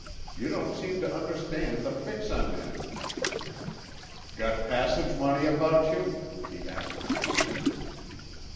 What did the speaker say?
You don't seem to understand the fix I'm in." "Got passage money about you?" he asked coolly.